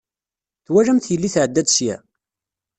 Twalamt yelli tɛedda-d sya?